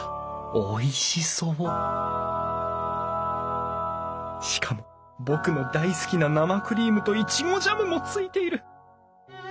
おいしそうしかも僕の大好きな生クリームといちごジャムもついている。